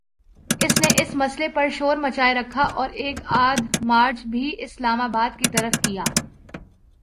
اس نے اس مسئلے پہ شور مچائے رکھا اور ایک آدھ مارچ بھی اسلام آباد کی طرف کیا۔